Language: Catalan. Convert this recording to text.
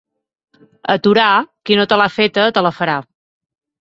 A Torà, qui no te l'ha feta te la farà.